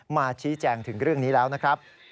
มาชี้แจงถึงเรื่องนี้แล้วนะครับ